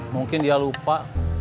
mungkin dia lupa